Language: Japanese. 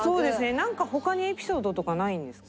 なんか他にエピソードとかないんですか？